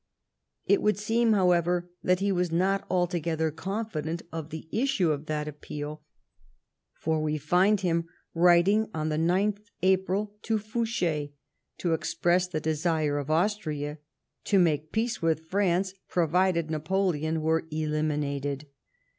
It would seem, however, that he was not altogether confident of the issue of that appeal, for we find him writing on the 9th April to Fouche, to express the desire of Austria to make peace with France provided Napoleon were eliminated.